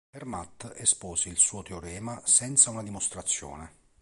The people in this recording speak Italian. Fermat espose il suo teorema senza una dimostrazione.